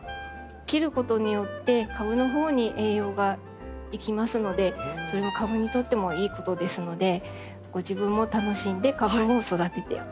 切ることによって株のほうに栄養がいきますのでそれは株にとってもいいことですのでご自分も楽しんで株を育ててほしいと思っています。